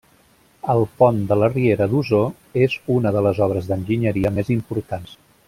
El pont de la riera d'Osor és una de les obres d'enginyeria més importants.